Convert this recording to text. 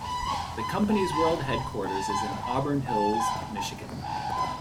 The company's world headquarters is in Auburn Hills, Michigan.